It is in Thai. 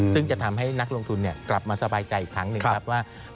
ซึ่งจะทำให้นักลงทุนกลับมาสบายใจอีกครั้งหนึ่งครับว่า